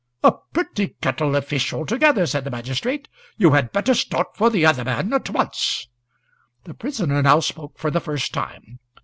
"A pretty kettle of fish altogether!" said the magistrate. "You had better start for the other man at once." The prisoner now spoke for the first time.